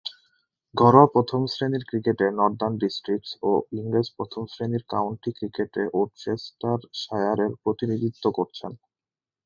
ঘরোয়া প্রথম-শ্রেণীর ক্রিকেটে নর্দার্ন ডিস্ট্রিক্টস ও ইংরেজ প্রথম-শ্রেণীর কাউন্টি ক্রিকেটে ওরচেস্টারশায়ারের প্রতিনিধিত্ব করেছেন।